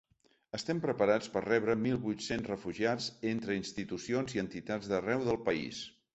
Estem preparats per rebre mil vuit-cents refugiats entre institucions i entitats d’arreu del país.